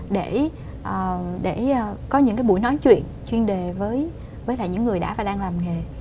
để có những cái buổi nói chuyện chuyên đề với lại những người đã và đang làm nghề